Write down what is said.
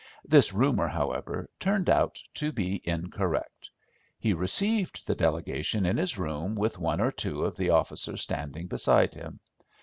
This rumour, however, turned out to be incorrect. He received the delegation in his room with one or two of the officers standing beside him.